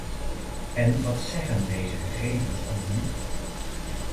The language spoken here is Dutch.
En wat zeggen deze gegevens ons nu?